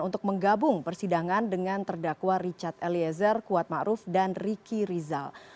untuk menggabung persidangan dengan terdakwa richard eliezer kuatma'ruf dan ricky rizal